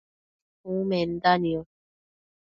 Umenda niosh